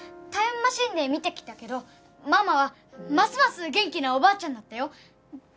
タイムマシンで見てきたけどママはますます元気なおばあちゃんだったよ。